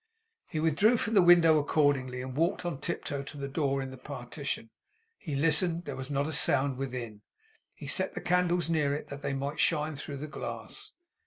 He withdrew from the window accordingly, and walked on tiptoe to the door in the partition. He listened. There was not a sound within. He set the candles near it, that they might shine through the glass.